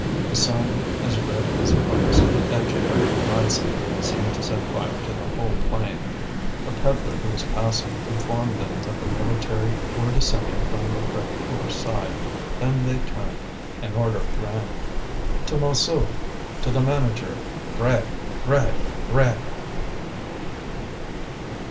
The sun, as red as a furnace on the edge of the horizon, seemed to set fire to the whole plain. A pedlar who was passing informed them that the military were descending from the Crévecoeur side. Then they turned. An order ran: "To Montsou! To the manager! Bread! bread! bread!"